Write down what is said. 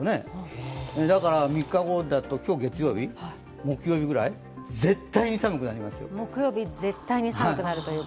だから、３日後だと、木曜日ぐらい、絶対に寒くなりますよ。